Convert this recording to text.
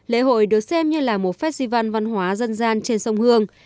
lễ hội được xem như là một festival văn hóa dân gian trên sông hương